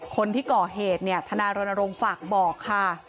คนที่ก่อเหตุเนี่ยทนายรณรงค์ฝากบอกค่ะ